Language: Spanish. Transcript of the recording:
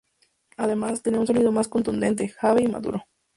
Además, tenía un sonido más contundente, heavy y maduro.